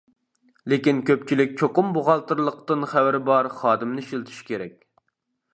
لېكىن كۆپچىلىك چوقۇم بوغالتىرلىقتىن خەۋىرى بار خادىمنى ئىشلىتىشى كېرەك.